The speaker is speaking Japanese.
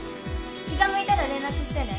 気が向いたら連絡してね。